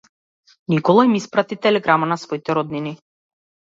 Никола им испрати телеграма на своите роднини.